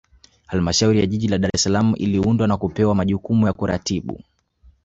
Halmashauri ya Jiji la Dar es Salaam iliundwa na kupewa majukumu ya kuratibu